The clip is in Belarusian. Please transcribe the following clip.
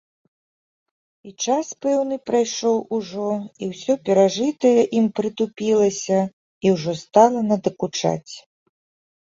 І час пэўны прайшоў ужо, і ўсё перажытае ім прытупілася і ўжо стала надакучаць.